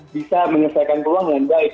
bisa menyelesaikan peluang dengan baik